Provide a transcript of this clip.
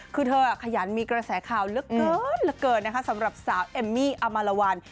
คือเธอขยันมีกระแสข่าวเหลือเกินเหลือเกินนะคะสำหรับสาวเอมมี่อมารวัล